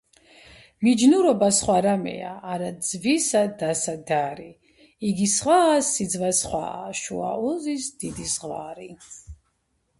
"მიჯნურობა სხვა რამეა, არ სძვისა დასადარი:იგი სხვაა, სიძვა სხვაა, შუა უზის დიდი ძღვარი